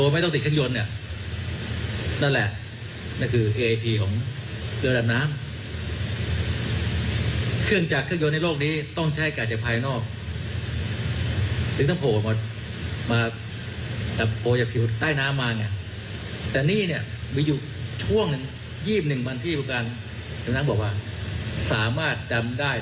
มีอยู่ช่วง๒๑วันที่ประการท่านบอกว่าสามารถดำได้